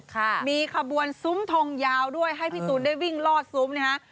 ค่ะมีขบวนซุ้มทงยาวด้วยให้พี่ตูนได้วิ่งลอดซุ้มนะฮะ